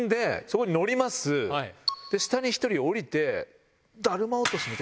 下に１人下りて。